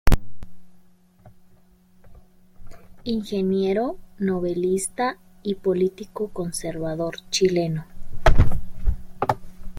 Ingeniero, novelista y político conservador chileno.